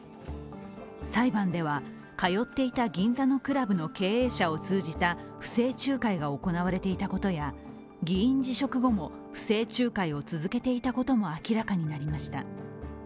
裁判では、通っていた銀座のクラブの経営者を通じた不正仲介が行われていたことや議員辞職後も、不正仲介を続けていたことも明らかになりました。